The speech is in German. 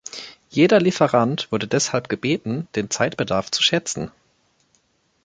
Jeder Lieferant wurde deshalb gebeten, den Zeitbedarf zu schätzen.